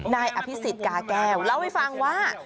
นายอภิษฎาแก้วเล่าให้ฟังว่า